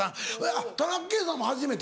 あっ田中圭さんも初めて？